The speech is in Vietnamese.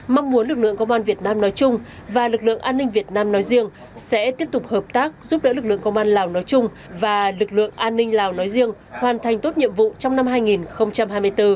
mong muốn lực lượng công an việt nam nói chung và lực lượng an ninh việt nam nói riêng sẽ tiếp tục hợp tác giúp đỡ lực lượng công an lào nói chung và lực lượng an ninh lào nói riêng hoàn thành tốt nhiệm vụ trong năm hai nghìn hai mươi bốn